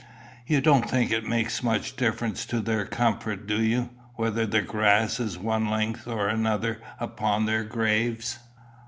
"You don't think it makes much difference to their comfort, do you, whether the grass is one length or another upon their graves?"